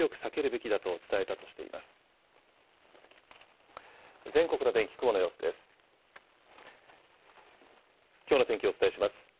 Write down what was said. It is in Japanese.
きょうの天気をお伝えします。